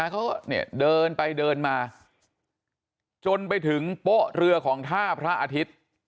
เขาก็เนี่ยเดินไปเดินมาจนไปถึงโป๊ะเรือของท่าพระอาทิตย์